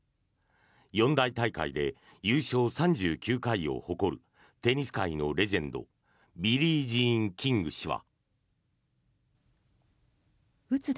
四大大会で優勝３９回を誇るテニス界のレジェンドビリー・ジーン・キング氏は。